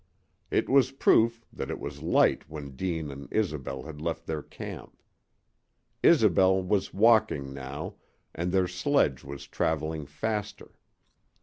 It was proof that it was light when Deane and Isobel had left their camp. Isobel was walking now, and their sledge was traveling faster.